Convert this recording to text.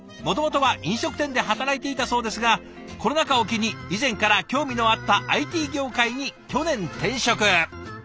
もともとは飲食店で働いていたそうですがコロナ禍を機に以前から興味のあったＩＴ業界に去年転職。